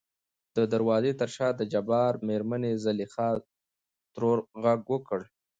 د دروازې تر شا دجبار مېرمنې زليخا ترور غږ وکړ .